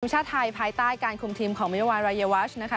ชาติไทยภายใต้การคุมทีมของมิรวาลรายวัชนะคะ